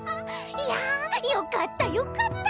いやよかったよかった！